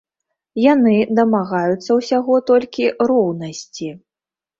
Яны дамагаюцца ўсяго толькі роўнасці.